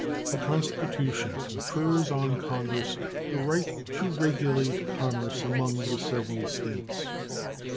The Constitution confers on Congress the right to regulate commerce among the several States.